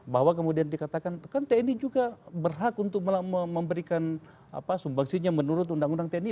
bahwa kemudian dikatakan kan tni juga berhak untuk memberikan sumbangsinya menurut undang undang tni